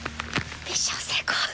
ミッション成功。